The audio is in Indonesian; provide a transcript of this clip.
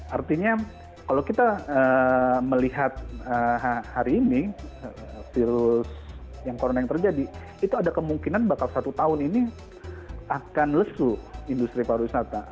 artinya kalau kita melihat hari ini virus yang corona yang terjadi itu ada kemungkinan bakal satu tahun ini akan lesu industri pariwisata